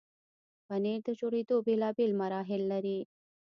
پنېر د جوړېدو بیلابیل مراحل لري.